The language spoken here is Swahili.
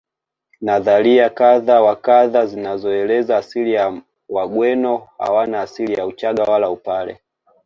Nadharia kadha wa kadha zinazoeleza asili ya Wagweno hawana asili ya Uchaga wala Upare